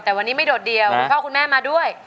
แต่วันนี้ไม่โดดเดียว